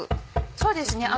そうですね。